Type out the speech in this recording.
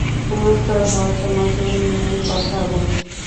পুরো শহর তোমাকে নিয়েই কথা বলছে।